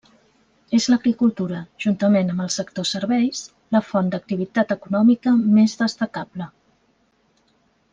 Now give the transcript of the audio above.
És l'agricultura, juntament amb el sector serveis, la font d'activitat econòmica més destacable.